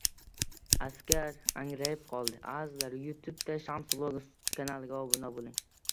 Askar angrayib qoldi.